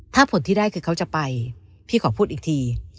ถ้าผลที่ได้คือเขาจะไปพี่ขอพูดอีกที